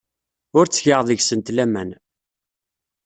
Ur ttgeɣ deg-sent laman.